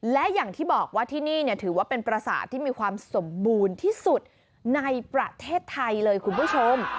และอย่างที่บอกว่าที่นี่ถือว่าเป็นประสาทที่มีความสมบูรณ์ที่สุดในประเทศไทยเลยคุณผู้ชม